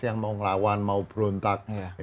yang mau ngelawan mau berontak